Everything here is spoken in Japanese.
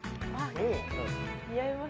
似合いますね。